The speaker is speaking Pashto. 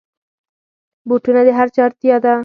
بوټونه د هرچا اړتیا ده.